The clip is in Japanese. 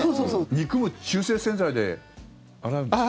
肉も中性洗剤で洗うんですか？